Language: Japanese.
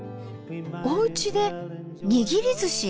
おうちでにぎりずし？